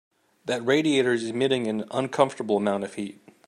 That radiator is emitting an uncomfortable amount of heat.